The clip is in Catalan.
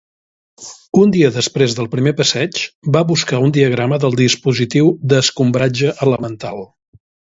Un dia després del primer passeig va buscar un diagrama del dispositiu d'escombratge elemental.